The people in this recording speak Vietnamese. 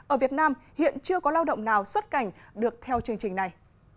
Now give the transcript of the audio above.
ở việt nam hiện chưa có lao động nào xuất cảnh được theo chương trình này